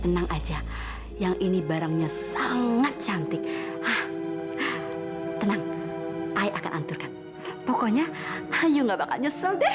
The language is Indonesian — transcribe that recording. sampai jumpa di video selanjutnya